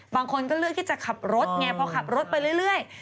บางคนเลือกจะขับรถแน่พอขับรถไปเรื่อย